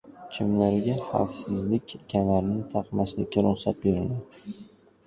Kimlarga xavfsizlik kamarini taqmaslikka ruxsat beriladi?